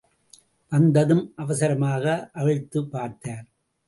வந்ததும் அவசரமாக அவிழ்த்துப் பார்த்தார்.